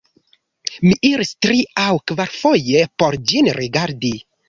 Mi iris tri-aŭ-kvarfoje por ĝin rigardi.